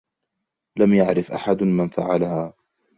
لم يعرف أحد من فعلها.